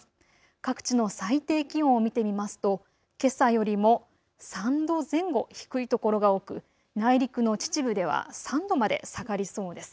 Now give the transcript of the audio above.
各地の最低気温を見てみますと、けさよりも３度前後低い所が多く内陸の秩父では３度まで下がりそうです。